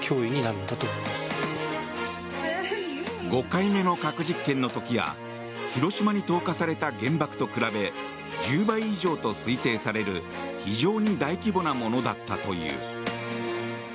５回目の核実験の時や広島に投下された原爆と比べ１０倍以上と推定される非常に大規模なものだったという。